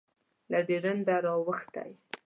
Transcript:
له ډیورنډه رااوښتی